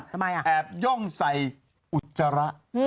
ทำไมอ่ะแอบย่องใส่อุจจาระ